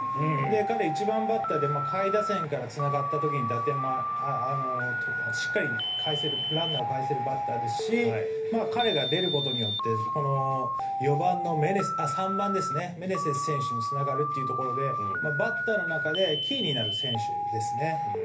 彼、１番バッターで下位打線からつながった時に打点もしっかりかえせるバッターですし彼が出ることで３番のメネセス選手につながるというところでバッターの中でキーになる選手です。